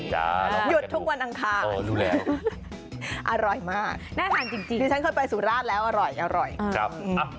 จะย้อนกันว่าใจครับ